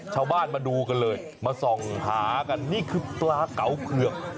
ชาวบ้านมาดูกันเลยมาส่องหากันนี่คือปลาเก๋าเผือก